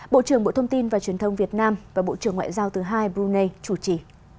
bộ trưởng bộ thông tin và truyền thông việt nam và bộ trưởng ngoại giao thứ hai brunei chủ trì